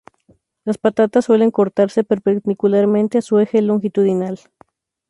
Las patatas suelen cortarse perpendicularmente a su eje longitudinal.